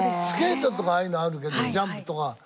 スケートとかああいうのはあるけどジャンプとか。